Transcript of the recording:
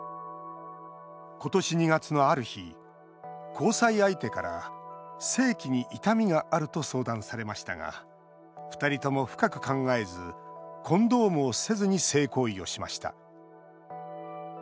今年２月のある日、交際相手から性器に痛みがあると相談されましたが２人とも深く考えずコンドームをせずに性行為をしました。